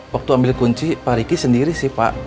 waktu ambil kunci pak riki sendiri sih pak